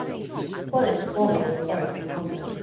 Well, it is — swarming with ghosts and goblins!